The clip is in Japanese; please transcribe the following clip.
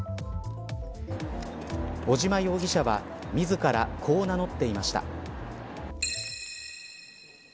尾島容疑者は自らこう名乗っていました。